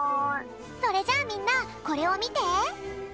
それじゃあみんなこれをみて！